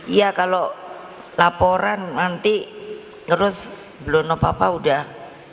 iya kalau laporan nanti terus belum apa apa udah